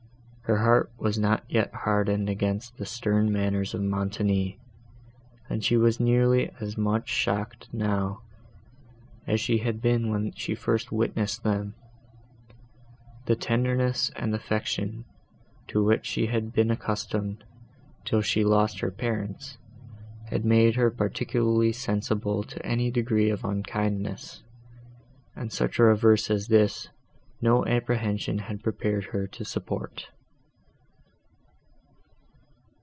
Her heart was not yet hardened against the stern manners of Montoni, and she was nearly as much shocked now, as she had been when she first witnessed them. The tenderness and affection, to which she had been accustomed, till she lost her parents, had made her particularly sensible to any degree of unkindness, and such a reverse as this no apprehension had prepared her to support.